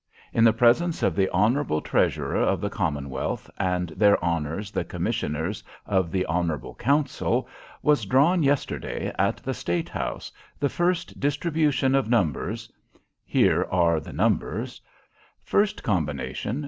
'In the presence of the Honourable Treasurer of the Commonwealth, and of their Honours the Commissioners of the Honourable Council, was drawn yesterday, at the State House, the first distribution of numbers' here are the numbers, 'First combination, 375 1.